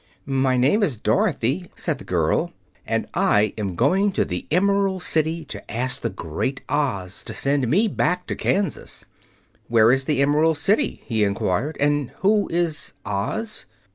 "My name is Dorothy," said the girl, "and I am going to the Emerald City, to ask the Great Oz to send me back to Kansas." "Where is the Emerald City?" he inquired. "And who is Oz?"